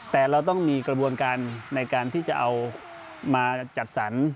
แต่เราต้องมีกระบวนการในการที่จะเอามาจัดสรร